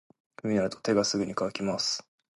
冬になると手がすぐに乾きます。